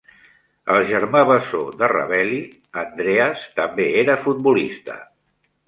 El germà bessó de Ravelli, Andreas, també era futbolista.